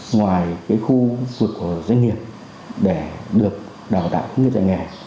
ngoài khu vực doanh nghiệp để được đào tạo những dạy nghề